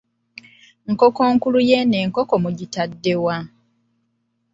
Nkokonkulu y'eno enkoko mu gitaddewa?